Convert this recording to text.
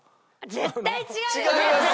絶対違うよね！